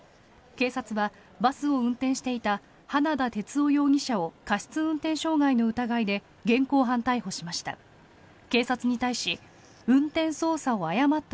警察はバスを運転していた花田哲男容疑者を過失運転傷害の疑いで現行犯逮捕しました。